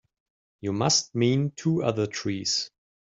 You must mean two other trees.